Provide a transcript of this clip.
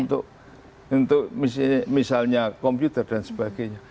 untuk misalnya komputer dan sebagainya